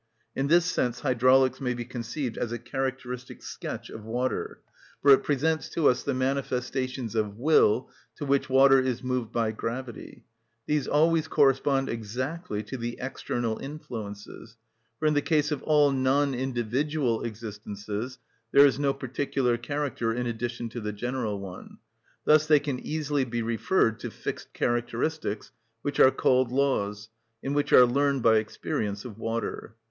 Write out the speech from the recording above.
In this sense hydraulics may be conceived as a characteristic sketch of water, for it presents to us the manifestations of will to which water is moved by gravity; these always correspond exactly to the external influences, for in the case of all non‐individual existences there is no particular character in addition to the general one; thus they can easily be referred to fixed characteristics, which are called laws, and which are learned by experience of water.